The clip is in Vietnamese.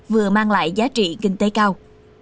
vừa mang lại giá trị kinh tế cao